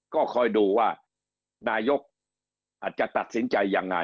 ก็คอยดูว่านายกอาจจะตัดสินใจยังไง